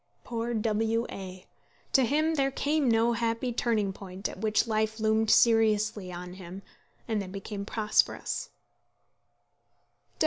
Poor W A ! To him there came no happy turning point at which life loomed seriously on him, and then became prosperous.